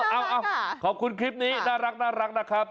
เอาขอบคุณคลิปนี้น่ารักนะครับ